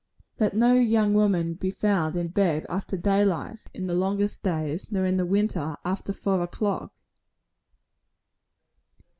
Let no young woman be found in bed after day light, in the longest days; nor in the winter, after four o'clock.